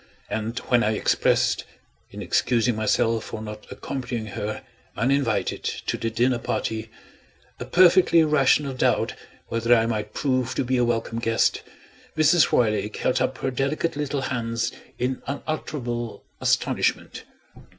And when I expressed (in excusing myself for not accompanying her, uninvited, to the dinner party) a perfectly rational doubt whether I might prove to be a welcome guest, Mrs. Roylake held up her delicate little hands in unutterable astonishment.